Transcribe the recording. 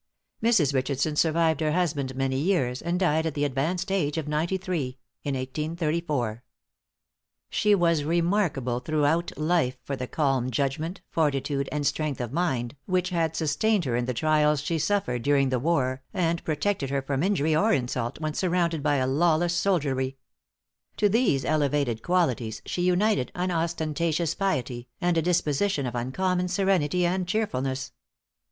Mrs. Richardson survived her husband many years, and died at the advanced age of ninety three, in 1834. She was remarkable throughout life for the calm judgment, fortitude, and strength of mind, which had sustained her in the trials she suffered during the war, and protected her from injury or insult when surrounded by a lawless soldiery. To these elevated qualities she united unostentatious piety, and a disposition of uncommon serenity and cheerfulness.